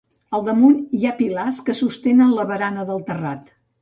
Al damunt hi ha pilars que sostenen la barana del terrat.